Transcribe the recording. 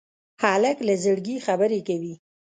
هلک له زړګي خبرې کوي.